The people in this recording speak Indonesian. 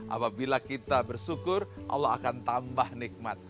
apabila kita bersyukur allah akan tambah nikmat